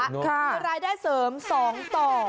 มีรายได้เสริม๒ต่อ